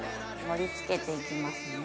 盛り付けて行きますね。